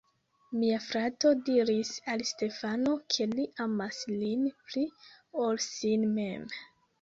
Mia frato diris al Stefano, ke li amas lin pli, ol sin mem.